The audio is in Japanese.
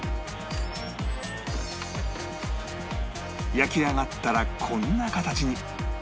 焼き上がったらこんな形に